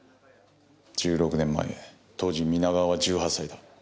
１６年前当時皆川は１８歳だ。